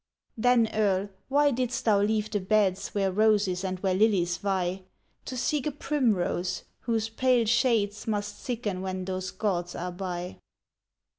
"Then, Earl, why didst thou leave the beds Where roses and where lilies vie, To seek a primrose, whose pale shades Must sicken when those gauds are by?